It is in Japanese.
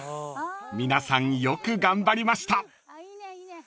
［皆さんよく頑張りました］